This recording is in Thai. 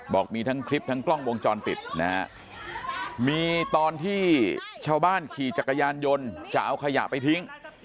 บอกมีทั้งคลิปทั้งกล้องวงจรปิดนะฮะมีตอนที่ชาวบ้านขี่จักรยานยนต์จะเอาขยะไปทิ้ง